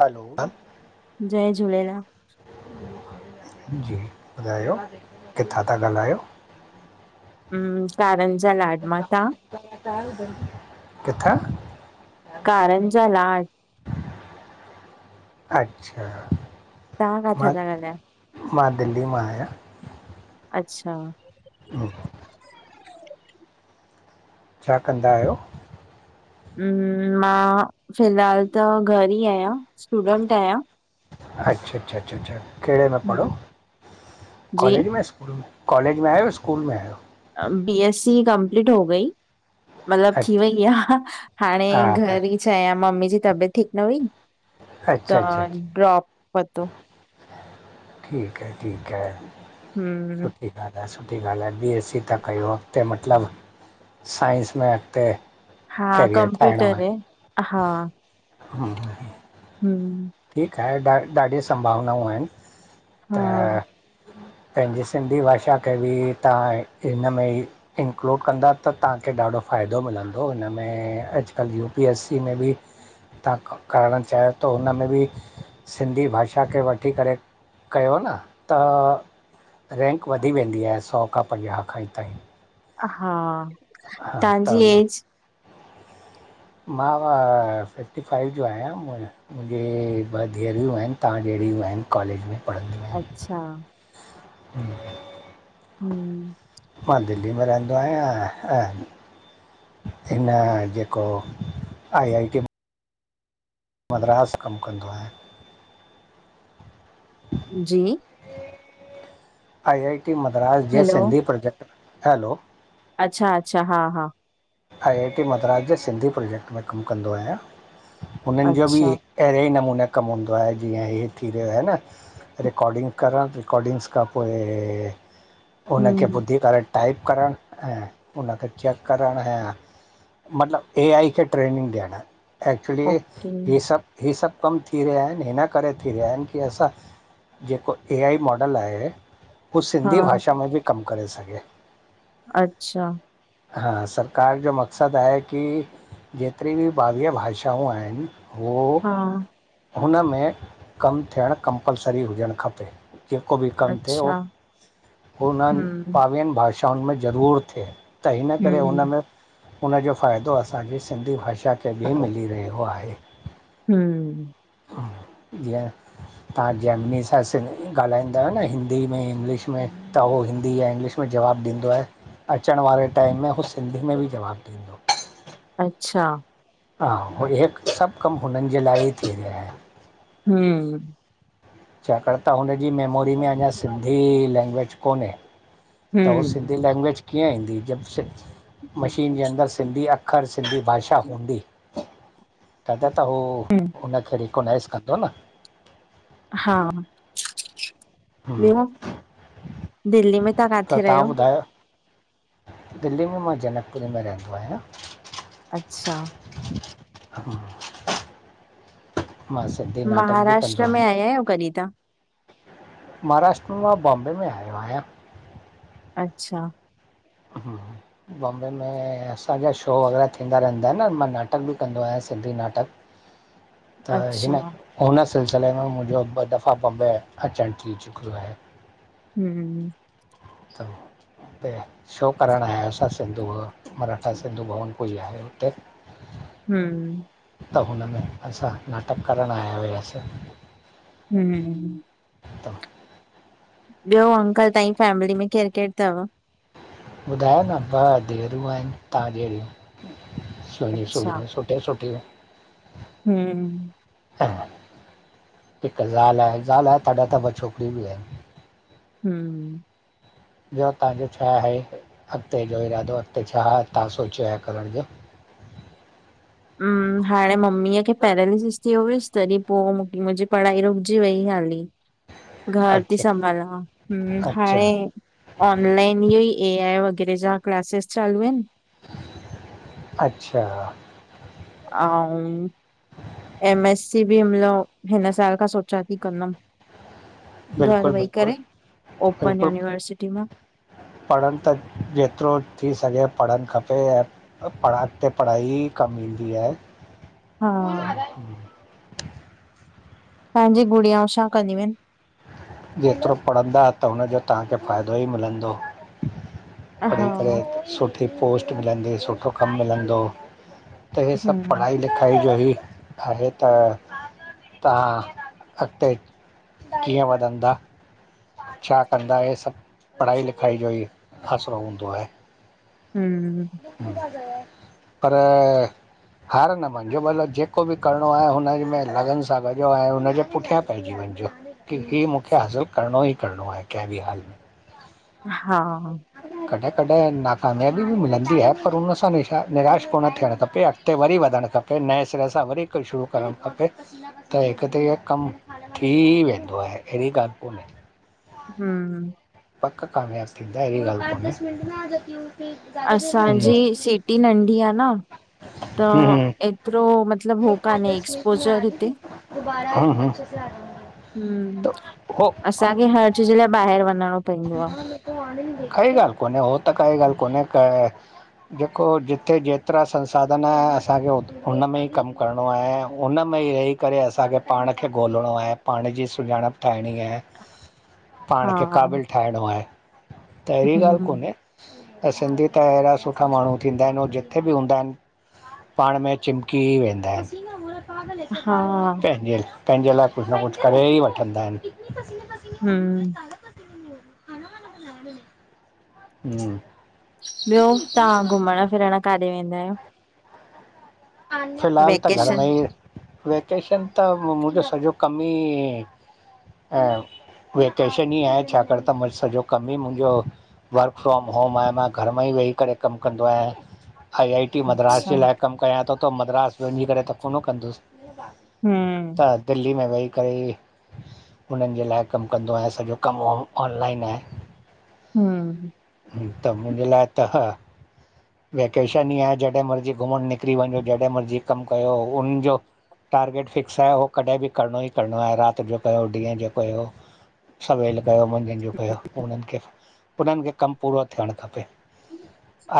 हलो जय झूलेलाल जी ॿुधायो किथां था ॻाल्हायो? हम् कारंजा लाड मा, तां? [unintelligible] किथा? करंजा लाड अच्छा तव्हां काथां मां ता ॻाल्हायो? मां दिल्ली मां आहियां। अच्छा हं छा कंदा आयो? म म मां फ़िलहाल त घर ई आयां स्टूडेंट आयां। अच्छा-अच्छा-अच्छा कहिड़े में पढ़ो, हम्म, जी कॉलेज में स्कूल में? कॉलेज में आयो स्कूल में आयो? बी एस सी कंप्लीट हो गई। मतलब थी अच्छा वई आ हाणे हा हा घर हिच आया मम्मी जी तबियत ठीक न हुई, त अच्छा अच्छा अच्छा ड्रॉप वतो। ठीक है ठीक है हं ॾाढा सुठी ॻाल्हि आहे, बी एससी था कयो, अॻते मतिलब साइंस में अॻते हा कंप्यूटर में, हा हम्म ठीक आहे, ॾाढी संभावनाऊं आहिन, हा त पहिंजे सिंधी भाषा खे बि तहां हिन में ई इंक्लुड कंदा त तव्हांखे ॾाढो फ़ाइदो मिलंदो हिनमें, अॼकल्ह यूपी एससी में बि तां करण चाहियो त हुन में बि सिंधी भाषा खे वठी करे कयो न त रैंक वधी वेंदी आहे सौ खां पंजाह खंण तांईं। हा। हा त तव्हांजी न। [inaudible] मां ऊंअ सिक्सटी फाइव जो आहियां मुं मुंहिंजी ॿ धीअरियूं आहिन, तव्हां जहिड़ियूं आहिन कॉलेज में पढ़ंदियूं अच्छा। ह। [inaudible] [inaudible] मां दिल्ली में रहंदो आहियां। हिन जेको आई आई टी मद्रास कम कंदो आहियां। जी। आई आई टी मद्रास जे हेलो, सिंधी प्रोजेक्ट, हलो अच्छा- अच्छा, हा हा। आई आई टी मद्रास जे सिंधी प्रोजेक्ट में कमु कंदो आहियां, हुननि जो बि अच्छा, अहिड़े ई नमूने कमु हूंदो आहे, जीअं हे थी रहियो आहे न। रिकॉडिंग करण, रिकॉडिंग्स खां पोइ पो हुनखे हम्म, ॿुधी करे टाइप करण ऐं उनखे चेक करण ऐं मतिलब ए आई खे ट्रेनिंग ॾियण, एक्चुली ओके, ही सब ही सभु कम थी रहिया आहिन, हिन करे थी रहिया आहिनि कि असां जेको ए आई मॉडल आहे, हू सिंधी हाँ, भाषा में बि कमु करे सघे‌। अच्छा। हा सभ सरकार जो मक़सद आहे कि जेतिरी बि ॿावीय भाषाऊं आहिन हू हाँ, हुन में कमु थियण कंपलसरी हुजण खपे। जेको बि कमु थिए अच्छा, उहो हुननि हम्म, ॿावीहनि भाषाउनि में ज़रूर थिए। त हिन करे हम्म, हुनमें हुन जो फ़ायदो असांजी सिंधी भाषा खे बि मिली रहियो आहे। हंम। जीअं तव्हां जेमिनी सां सिन्धी ॻाल्हाईंदा आहियो न हिंदी में इंग्लिश में त हू हिंदी या इंग्लिश में जवाबु ॾींदो आहे। अचण वारे टाइम में हू सिंधी में बि जवाब ॾींदो। अच्छा। हा इहे सभ कम हुननि जे लाइ ई थी रहिया आहिन। हम्म छाकाण त हुनजी मेमोरी में अंञा सिंधी लैंग्वेज कोन्हे। त उ हम्म, सिंधी लैंग्वेज कीअं ईंदी जब मशीन हम्म, जे अंदर सिंधी अख़र सिंधी भाषा हूंदी तॾहिं त हू हुनखे कोनाइस कंदो न। हा। हम्म, ॿियो दिल्ली में तव्हां त काथे रहियो? ॿुधायो दिल्ली में मां जनकपुरी में रहंदो आहियां। अच्छा। हा। मां सिंधी नाटक बि कंदो आहियां। विया अयो कॾीं तां? महाराष्ट्र में मां बॉम्बे में आयो आहियां। अच्छा। हा हा [inaudible] बॉम्बे में असांजा शो वग़ैरह थींदा रहंदा आहिनि न मां नाटक बि कंदो आहियां सिंधी नाटक। [inaudible] त अच्छा, हिन हुन सिलसिले में मुंहिंजो ॿ दफ़ा बॉम्बे। अर्जेंट थी चुको आहे [unintelligible] हमम। त त [unintelligible] शो करणु आहि असां सिंधू मराठा सिंधु भवन कोई आहे हुते। हम। त हुनम में असां नाटक करणु आया हुआसीं। हम हम। त ॿियो अंकल तव्हांजी फैमिली में केरु केरु तव? ॿुधायो न ॿ देरूं आहिनि तव्हां जहिड़ियूं सुणियूं सुियूं स [unintelligible] सुठीयो हम। ज़ाल, ज़ाला तडाबी [unintelligible] छोकिरी बि आहे। त हम। ॿियो तव्हां छा आहे अॻिते जो इरादो अॻिते छा तवां सोचियो आहे करण जो। हम। हाणे मम्मीअ खे पैरालिसिस थीयो हुयसि तॾहिं पोइ मुंहिंजी पढ़ाई रुकजी वई हाली। घर ती अच्छा सभाला हम अच्छा हाणे। ऑनलाइन इह ई ए आई वग़ैरह जा क्लासिस चालू आहिनि। अच्छा। ऐं। एम एस सी बि हिन साल खां सोचां थी कंदमि। घर बिल्कुलु वई बिल्कुलु करे ओपन बिल्कुलु यूनिवर्सिटी मां। पढ़नि त जेतिरो थी सघे पढ़णु खपे ऐं। पढ़ा ते पढ़ाई कमी ईंद आहे। हा। ार [unintelligible] पंहिंजी गुड़िया सां कंदियूं आहिनि। जेतिरो पढ़ंदा त हुनजो तव्हांखे फ़ाइदो ई मिलंदो। पढ़ी हा, करे सुठी पोस्ट मिलंदी सुठो कमु मिलंदो। त ह सभु हम्म, पढ़ाई लिखाई जो ई आहे त। तव्हां अॻिते कीअं वञांदा। छा कंदा इ सभु पढ़ाई लिखाई जो ई आसिरो हूंदो आ। [inaudible] पर अ हार न मञिजो मतलब जेको बि करिणो आ हुनम में लगन सां कॼो ऐं हुनजे पुठियां पइजी वञिजो। की ही मूंखे हासिलु करिणो ई करिणो आहे कंहिं बि हाल में। हा। कॾहिं- कॾहिं नाकामयाबी बि मिलंदी आ पर हुन सां निराश कोन थियणु खपे। अगते वरी वधणु खपे नए सिरे सां वरी हिकु शुरू करणु खपे। त हिकु त इहो कमु थी वेंदो आहे अहिड़ी ॻाल्हि कोन्हे। हूं। पक कामयाब थींदी इहिड़ी गाल कोने। असांजी सिटी नंढी आ। न त हम्म हम्म एतिरो मतलब हो कान्हे एक्सपोजर हिते हम्म [inaudible] असांखे हर चीज लाइ ॿाहिरि वञणो पवंदो आ। काई ॻालहि कोने हो त काई ॻालहि कोने क जेको जिते जेतिरा संसाधन आहे, असांखे औत हुनमें ई कमु करिणो आहे। हुन में ई रही करे असांखे पाण खे ॻोल्हिणो आहे, पाण जी सुञाणप ठाहिणी आहे। [inaudible] पाण हा खे क़ाबिलु ठाहिणो आहे, त अहिड़ी ॻाल्हि हम्म कोन्हे ऐं, सिंधी त अहिड़ा सुठा माण्हू थींदा आहिन, ऐं जिथे बि हूंदा आहिन पाण में चिपकी ई वेंदा आहिन। हा पेहिंजे- पेहिंजे लाइ कुझु न कुझु करे ई वठंदा आहिन। हूं [inaudible] ॿियो तां घुमणु-फिरण काॾे वेंदा आहियो? फिलहाल त घर वेकेशन में ई वेकेशन त मुंहिंजो सॼो कम ई ऐं वेकेशन ई आहे, छाकाणि त मुंहिंज सॼो कमु ई मुंहिंजो वर्क फ्रॉम होम आहे, मां घर मां ई वेही करे कमु कंदो आहियां। आई-आई-टी मद्रास अच्छा जे लाइ कमु कयां तो, त मद्रास वञी करे त कोन कंदुस। हूं। हा दिल्ली में वेही करे ही हुननि जे लाइ कमु कंदो आहियां। सॼो कमु ऑनलाइन आहे। हम! त मुंहिंजे लाइ त ह, वेकेशन ई आहे जॾहिं मर्ज़ी घुमण निकरी वञ। जड़हिं मर्ज़ी कमु कयो हो हुन जो टारगेट फिक्स आहे, उहो कॾहिं बि करिणो ई करिणो आहे, राति जो कयो ॾींहुं जो कयो। सवेल कयो मंझन जो कयो, उननि खे, उननि खे कमु पूरो थियणु खपे।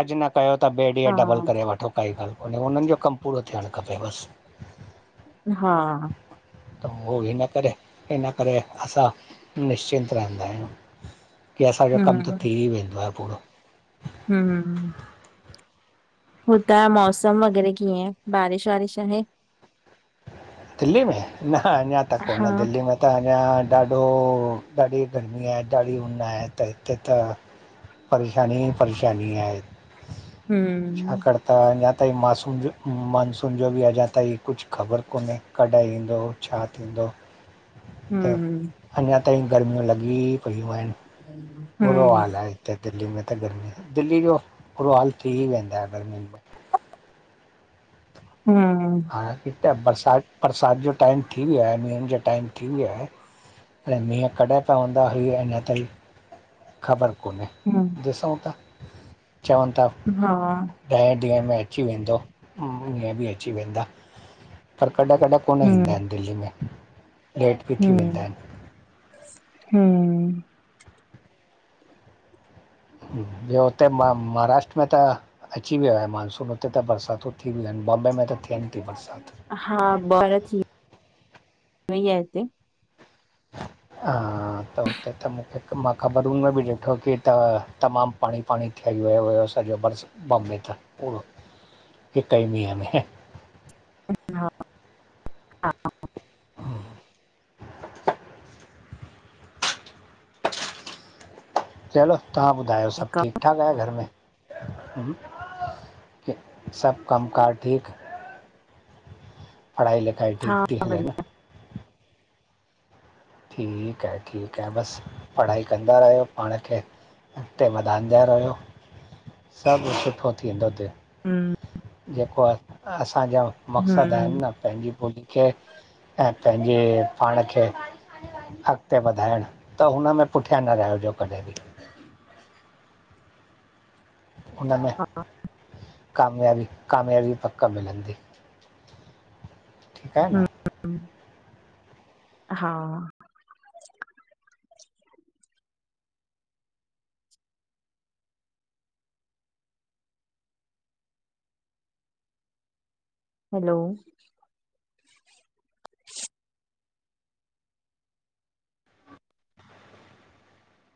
अॼु न कयो त ॿे हा ॾींहुं डबल करे वठो, काई ॻाल्हि कोन्हे। हुननि जो कमु पूरो थियणु खपे बस। हा! त हो हिन करे, हिन करे असां निश्चिंत रहंदा आहियूं, की असांजो कमु हम्म त थी वेंदो आहे पूरो। हूं। हुता जो मौसम वग़ैरह कीअं आहे, बारिश-वारिश आहे। दिल्ली में, न अञा त कोन हा दिल्ली में त अञा ॾाढो ॾाढी गर्मी आ, ॾाढी ऊञ आहे, त हिते त परेशानी ई परेशानी आहे। हम्म! छाकाणि त, अञा ताईं मासून मानसून जो बि अञा ताईं कुझु ख़बर कोन्हे। कॾहिं ईंदो, छा थींदो? त हम्म! अञा ताईं गर्मियूं लॻी पयूं आहिनि। हा [inaudible] बुरो हाल आहे हिते दिल्ली में त गर्मी जो, दिल्ली जो बुरो हाल थी वेंदो आ गर्मीनि में। हम्म। हाणे हिते बरिसाति बरिसाति जो टाइम थी वियो आहे। मींहं जो टाइम थी वियो आहे। मींहं कॾहिं पवंदा ही अञां ताईं ख़बर कोन्हे। हूं। ॾिसउ था, चवनि ता हा। ॾह ॾींहंनि में अची वेंदो, ईअं बि अची वेंदा, पर कॾहिं कॾहिं कोन हम्म ईंदा आहिनि दिल्ली में लेट बि थी वेंदा हम्म आहिनि हम्म, ॿियो हुते महाराष्ट्र में त अची वियो आहे मानसून, हुते त बरसातूं थी वियूं आहिनि, बॉम्बे में त थियनि थी बरसाति। हा बर थी वयी आहे हिते। [inaudible] त हुते त मूंखे मां ख़बरुनि में बि ॾिठो की त तमामु पाणी पाणी ठही वियो हुयो सॼो बरस बॉम्बे त पूरो हिकु ई मींहं में। हा हा। [inaudible] चलो तव्हां ॿुधायो सभु ठीकु ठाक आहे घर में? क सभ कम कार ठीकु? पढ़ाई लिखाई ठीक हा थी हले न? बढ़िया ठीकु आहे ठीकु आहे बसि पढ़ाई कंदा रहियो पाण खे अॻिते वधाईंन्दा रहो, सभु सुठो थींदो त। ह्म्म, जेको आहे असांजा मक़सद हम्म आहिनि न पंहिंजी ॿोलीअ खे ऐं पंहिंजे पाण खे अॻिते वधाइण त हुनमें पुठियां न रहिजो कॾहिं बि। हुन में कामयाबी कामयाबी पक मिलंदी। ठीकु आहे न हम्म, हा। हैलो,